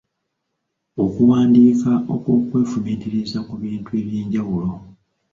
Okuwandiika okw'okwefumitiriza ku bintu eby'enjawulo.